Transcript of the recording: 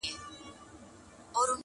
د هندو او مرهټه په جنګ وتلی،